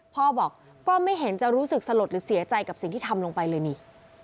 พ่อบอกก็ไม่เห็นจะรู้สึกสลดหรือเสียใจกับสิ่งที่ทำลงไปเลยนี่